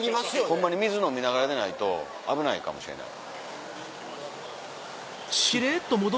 ホンマに水飲みながらでないと危ないかもしれない。